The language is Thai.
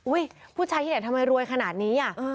ผู้ชายที่ไหนทำไมรวยขนาดนี้